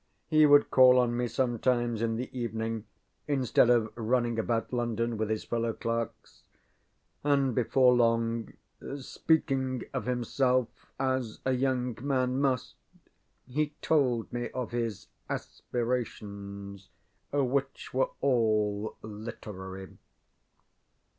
He would call on me sometimes in the evenings instead of running about London with his fellow clerks; and before long, speaking of himself as a young man must, he told me of his aspirations, which were all literary.